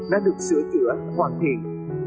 đã được sửa chữa hoàn thiện